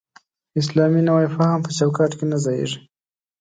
اسلامي نوی فهم په چوکاټ کې نه ځایېږي.